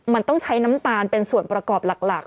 มันต้องใช้น้ำตาลเป็นส่วนประกอบหลัก